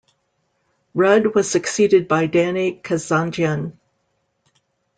Rudd was succeeded by Danny Kazandjian.